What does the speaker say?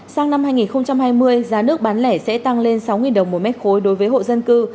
sang năm hai nghìn hai mươi giá nước bán lẻ sẽ tăng lên sáu đồng một mét khối đối với hộ dân cư